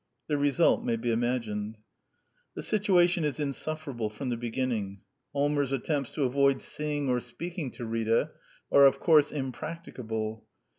The result may be imagined. The situation is insufferable from the begin ning. Allmers' attempts to avoid seeing or speak ing to Rita are of course impracticable.